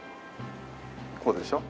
こうでしょ？